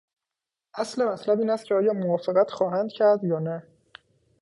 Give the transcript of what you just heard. اصل مطلب این است که آیا موافقت خواهند کرد یا نه.